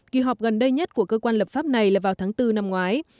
kỳ họp gần đây nhất của cơ quan lập pháp này là vào tháng bốn năm ngoái